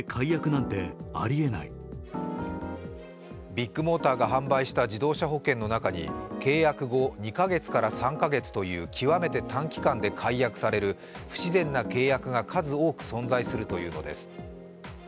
ビッグモーターが販売した自動車保険の中に契約後２か月から３か月という極めて短期間で解約される不自然な契約が数多く存在するというのです。